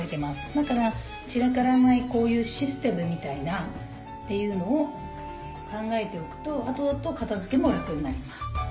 だから散らからないこういうシステムみたいなっていうのを考えておくとあとあと片づけも楽になります。